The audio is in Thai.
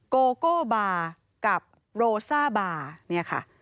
โกโกบาร์กับโรซ่าบาร์